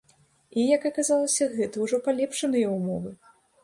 І, як аказалася, гэта ўжо палепшаныя ўмовы!